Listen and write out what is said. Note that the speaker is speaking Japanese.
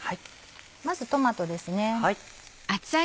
まずトマトですね。